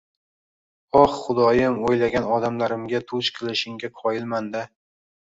Oh, Xudoyim, o’ylagan odamlarimga duch qilishingga qoyilman-da!